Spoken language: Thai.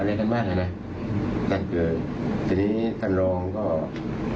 และก็ไม่ได้ยัดเยียดให้ทางครูส้มเซ็นสัญญา